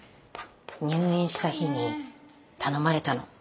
入院した日に頼まれたの。